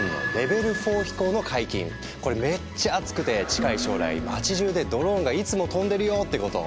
それはこれめっちゃアツくて近い将来街じゅうでドローンがいつも飛んでるよってこと。